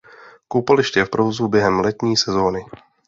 Koupaliště je v provozu během letní sezony.